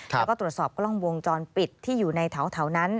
แล้วก็ตรวจสอบกล้องวงจรปิดที่อยู่ในแถวนั้น